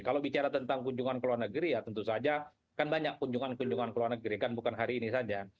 kalau bicara tentang kunjungan ke luar negeri ya tentu saja kan banyak kunjungan kunjungan ke luar negeri kan bukan hari ini saja